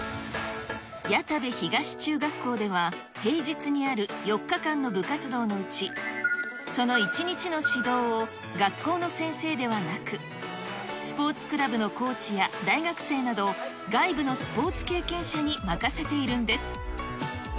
谷田部東中学校では、平日にある４日間の部活動のうち、その１日の指導を学校の先生ではなく、スポーツクラブのコーチや大学生など、外部のスポーツ経験者に任せているんです。